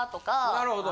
なるほど。